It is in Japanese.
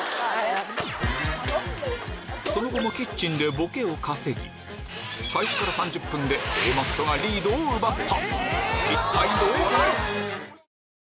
その後もキッチンでボケを稼ぎ開始から３０分でＡマッソがリードを奪った！